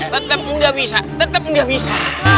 tetep gak bisa tetep gak bisa